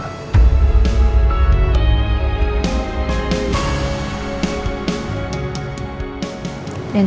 dan saat itu